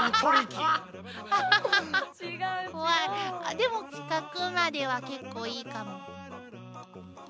でも四角までは結構いいかも。